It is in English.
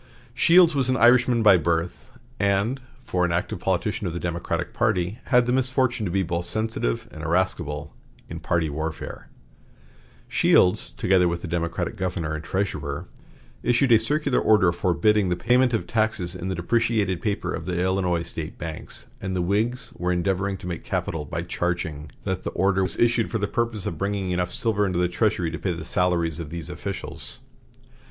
Shields was an Irishman by birth, and, for an active politician of the Democratic party, had the misfortune to be both sensitive and irascible in party warfare. Shields, together with the Democratic governor and treasurer, issued a circular order forbidding the payment of taxes in the depreciated paper of the Illinois State banks, and the Whigs were endeavoring to make capital by charging that the order was issued for the purpose of bringing enough silver into the treasury to pay the salaries of these officials.